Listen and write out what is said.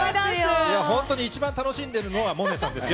いや、本当に一番楽しんでるのは萌音さんですよ。